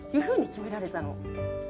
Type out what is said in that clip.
ふうに決められたの。